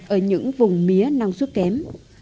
ở những vùng mía năng suất kém